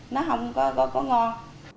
nó không có ngon